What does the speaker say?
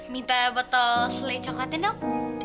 minta botol sele coklatnya dong